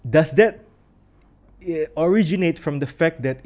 dan apakah itu berasal dari